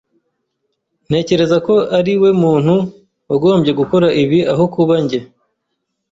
Ntekereza ko ariwe muntu wagombye gukora ibi aho kuba njye.